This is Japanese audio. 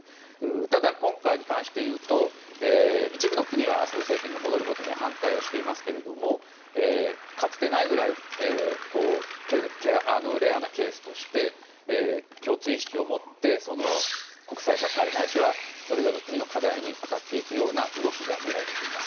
ただ、今回に関していうと一部の国はアサド政権に戻ることに反対をしていますがかつてないぐらいレアなケースとして共通意識を持って国際社会ないしはそれぞれの国の課題に当たっていく動きが見られています。